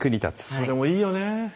それもいいよね。